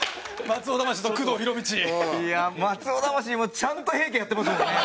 松尾魂もちゃんと平家やってますもんね。